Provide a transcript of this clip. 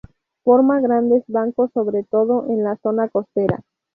Forma grandes bancos, sobre todo en la zona costera.